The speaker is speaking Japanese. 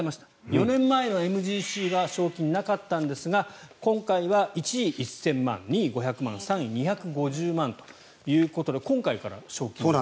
４年前のＭＧＣは賞金なかったんですが今回は１位、１０００万２位、５００万３位、２５０万ということで今回から賞金が。